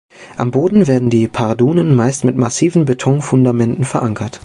Am Boden werden die Pardunen meist mit massiven Betonfundamenten verankert.